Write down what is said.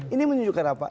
ini menunjukkan apa